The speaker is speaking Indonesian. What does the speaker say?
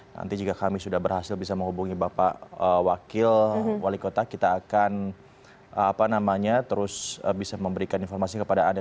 nanti jika kami sudah berhasil bisa menghubungi bapak wakil wali kota kita akan terus bisa memberikan informasi kepada anda